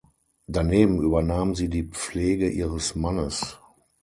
Daneben übernahm sie die Pflege ihres Mannes.